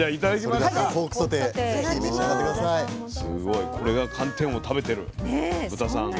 すごいこれが寒天を食べてる豚さんの。